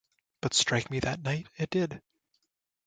But strike me that night, it did.